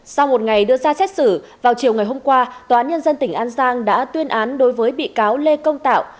sau một ngày đưa ra xét xử vào chiều ngày hôm qua tòa nhân dân tỉnh an giang đã tuyên án đối với bị cáo lê công tạo